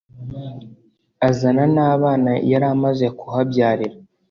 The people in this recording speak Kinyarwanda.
azana n'abana yari amaze kuhabyarira.